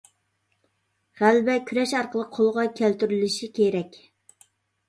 غەلىبە كۈرەش ئارقىلىق قولغا كەلتۈرۈلۈشى كېرەك.